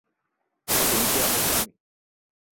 তুমি কি আমার স্বামী?